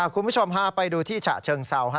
คุณผู้ชมพาไปดูที่ฉะเชิงเซา